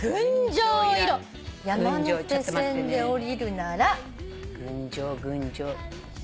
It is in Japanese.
「山手線で降りるなら」「群青」「群青」